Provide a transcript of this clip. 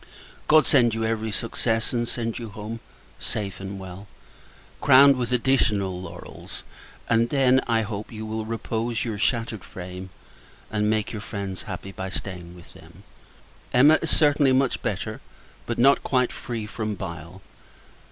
God send you every success; and send you home, safe and well, crowned with additional laurels! And then, I hope, you will repose your shattered frame; and make your friends happy, by staying with them. Emma Emma is certainly much better, but not quite free from bile.